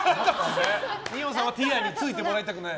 二葉さんはティアについてもらいたくない。